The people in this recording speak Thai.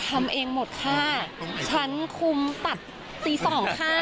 ทำเองหมดค่ะฉันคุมตัดตีสองค่ะ